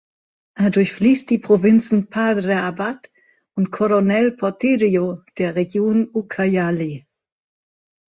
Er durchfließt die Provinzen Padre Abad und Coronel Portillo der Region Ucayali.